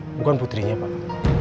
bukan putrinya pak